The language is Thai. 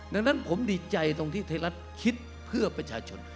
ดังนั้นผมดีใจตรงที่ไทยรัฐคิดเพื่อประชาชน